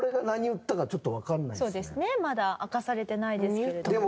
そうですねまだ明かされてないですけれども。